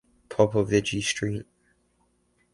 Popovici Street.